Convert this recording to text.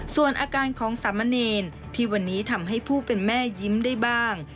ส่วนอาการของสามเณรที่วันนี้ทำให้ผู้เป็นแม่ยิ้มได้บ้าง